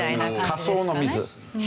仮想の水。